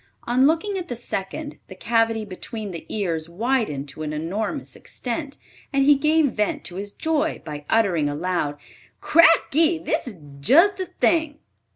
On looking at the second, the cavity between the ears widened to an enormous extent, and he gave vent to his joy by uttering aloud, "Crackee, this is just the thing!"